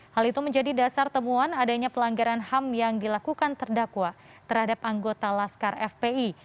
hal itu menjadi dasar temuan adanya pelanggaran ham yang dilakukan terdakwa terhadap anggota laskar fpi